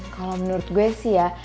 kalau menurut gue sih ya